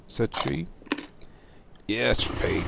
said she. 'Yes, faith!